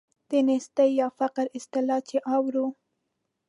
د نیستۍ یا فقر اصطلاح چې اورو.